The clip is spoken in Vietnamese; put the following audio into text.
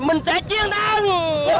mình sẽ chiến thắng